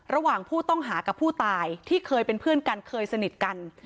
ระหว่างผู้ต้องหากับผู้ตายที่เคยเป็นเพื่อนกันเคยสนิทกัน